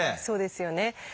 そうですよね。